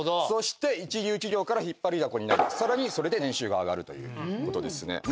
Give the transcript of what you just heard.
そして一流企業から引っ張りだこになり更にそれで年収が上がるという事ですね。